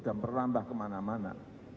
dan perambah kemana mana